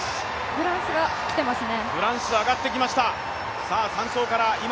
フランスが来てますね。